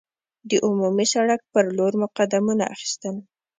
د عمومي سړک پر لور مو قدمونه اخیستل.